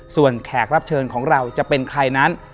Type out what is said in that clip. ส่วนแขกรับเชิญของเราจะเป็นใครนั้น